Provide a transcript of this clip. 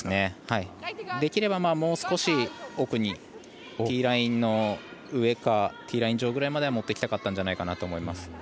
できればもう少し奥にティーラインの上かティーライン上ぐらいには持っていきたかったんじゃないかなと思います。